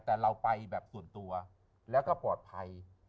แต่เราไปแบบส่วนตัวแล้วก็ปลอดภัย